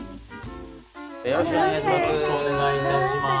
よろしくお願いします。